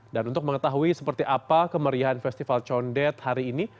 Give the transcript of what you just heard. dan untuk mengetahui seperti apa kemeriahan festival condet hari ini